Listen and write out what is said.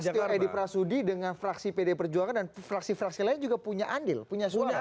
oh jadi pak setio edi prasudi dengan fraksi pd perjuangan dan fraksi fraksi lain juga punya andil punya suara